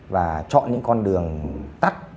và chọn những con đường tắt